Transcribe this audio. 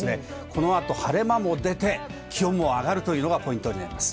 このあと晴れ間も出て気温も上がるというのがポイントです。